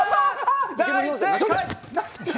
大正解！